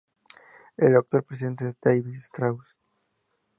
El actual presidente es David Strauss.